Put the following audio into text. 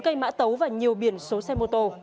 cây mã tấu và nhiều biển số xe mô tô